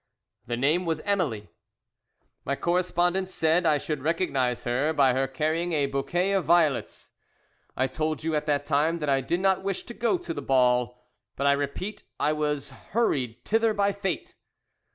"The name was Emily. "My correspondent said I should recognize her by her carrying a bouquet of violets. "I told you at the time that I did not wish to go to the ball, but I repeat I was hurried thither by fate.